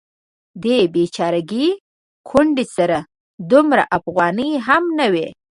دې بیچارګۍ کونډې سره دومره افغانۍ هم نه وې.